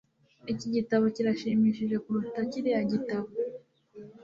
Iki gitabo kirashimishije kuruta kiriya gitabo